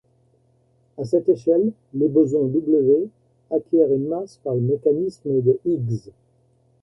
À cette échelle les bosons W aqcuièrent une masse par le mécanisme de Higgs.